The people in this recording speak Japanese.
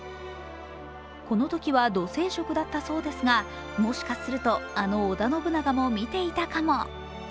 このときは土星食だったそうですが、もしかするとあの織田信長も見ていたかも。